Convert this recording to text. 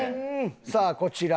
さあこちら